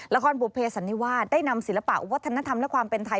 บุภเสันนิวาสได้นำศิลปะวัฒนธรรมและความเป็นไทย